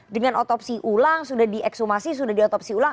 dengan otopsi ulang sudah dieksumasi sudah diotopsi ulang